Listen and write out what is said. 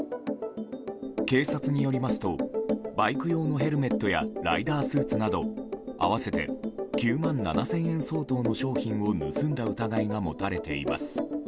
警察によりますとバイク用のヘルメットやライダースーツなど合わせて９万７０００円相当の商品を盗んだ疑いが持たれています。